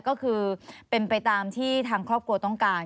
ก็คือเป็นไปตามที่ทางครอบครัวต้องการ